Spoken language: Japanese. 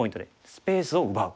スペースを奪う。